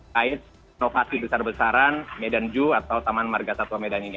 kait inovasi besar besaran medan ju atau taman marga satwa medan ini